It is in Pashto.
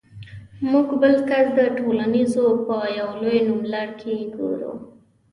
موږ بل کس د لینزونو په یو لوی نوملړ کې ګورو.